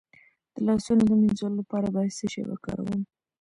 د لاسونو د مینځلو لپاره باید څه شی وکاروم؟